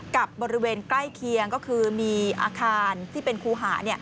กับบริเวณใกล้เคียงก็คือมีอาคารที่เป็นคูหา